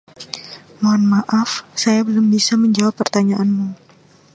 Mohon maaf, saya belum bisa menjawab pertanyaanmu.